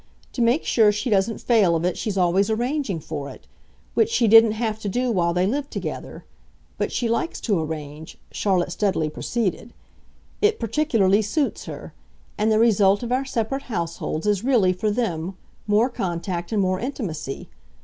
To make sure she doesn't fail of it she's always arranging for it which she didn't have to do while they lived together. But she likes to arrange," Charlotte steadily proceeded; "it peculiarly suits her; and the result of our separate households is really, for them, more contact and more intimacy.